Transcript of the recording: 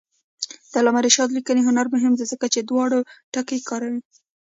د علامه رشاد لیکنی هنر مهم دی ځکه چې دارو ټکي کاروي.